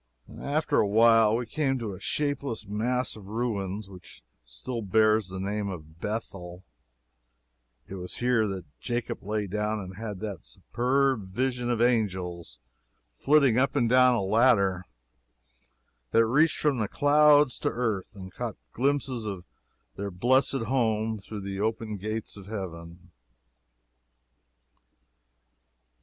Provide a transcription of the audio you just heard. After a while we came to a shapeless mass of ruins, which still bears the name of Bethel. It was here that Jacob lay down and had that superb vision of angels flitting up and down a ladder that reached from the clouds to earth, and caught glimpses of their blessed home through the open gates of Heaven.